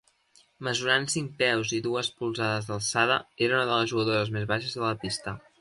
Mesurant cinc peus i dues polzades d'alçada, era una de les jugadores més baixes de la pista.